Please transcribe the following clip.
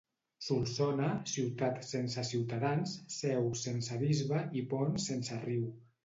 Solsona, ciutat sense ciutadans, seu sense bisbe i pont sense riu.